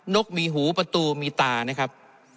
กมีหูประตูมีตานะครับ